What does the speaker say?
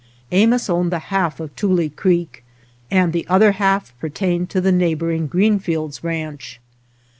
Amos owned the half of Tule Creek and the other half pertained to the neighboring Greenfields ranch.